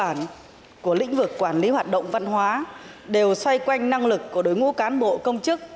các vấn đề của lĩnh vực quản lý hoạt động văn hóa đều xoay quanh năng lực của đối ngũ cán bộ công chức